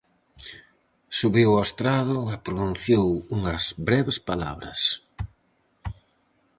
Subiu ao estrado e pronunciou unhas breves palabras.